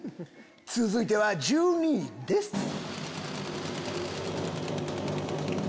続いては１２位です！